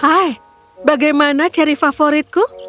hai bagaimana cari kesayanganku